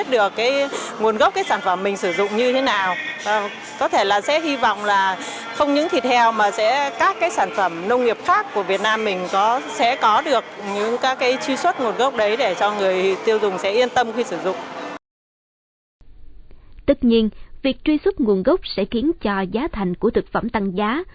tất nhiên việc truy xuất nguồn gốc sẽ khiến cho giá thành của thực phẩm tăng giá